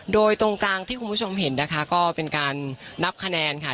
โดยตรงกลางที่คุณผู้ชมเห็นนะคะก็เป็นการนับคะแนนค่ะ